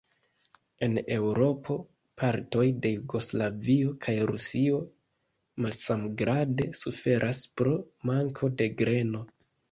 En Eŭropo, partoj de Jugoslavio kaj Rusio malsamgrade suferas pro manko de greno.